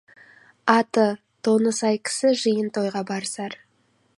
Аты, тоны сай кісі жиын-тойға барысар.